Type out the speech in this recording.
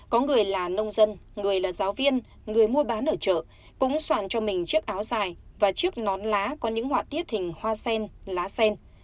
có người là nông dân người là giáo viên người mua bán ở chợ cũng soạn cho mình chiếc áo dài và chiếc nón lá có những họa tiết hình hoa sen lá sen